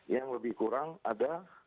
yang lebih kurang ada